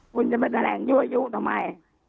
คุณจะไปแสดงยู๊วทำไม